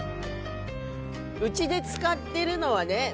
うちで使ってるのはね。